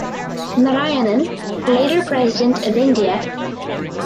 Narayanan (later President of India).